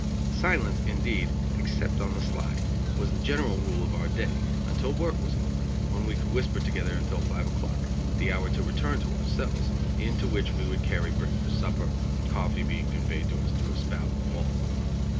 Silence, indeed, except on the sly, was the general rule of our day, until work was over, when we could whisper together until five o'clock, the hour to return to our cells, into which we would carry bread for supper, coffee being conveyed to us through a spout in the wall.